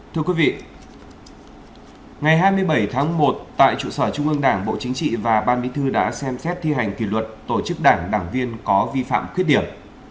thưa quý vị ngày hai mươi bảy tháng một tại trụ sở trung ương đảng bộ chính trị và ban bí thư đã xem xét thi hành kỷ luật tổ chức đảng đảng viên có vi phạm khuyết điểm